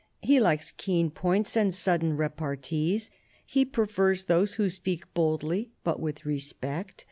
He likes keen points and sudden repartees. He prefers those who speak boldly — but with respect.